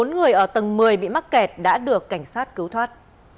bốn người ở tầng một mươi bị mắc kẹt đã được cảnh sát cứu thoát